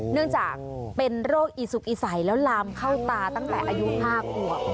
เนื่องจากเป็นโรคอีสุกอีใสแล้วลามเข้าตาตั้งแต่อายุ๕ขวบ